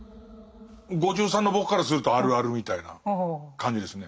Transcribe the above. ５３の僕からするとあるあるみたいな感じですね。